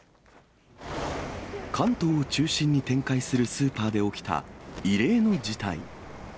関東を中心に展開するスーパーで起きた異例の事態。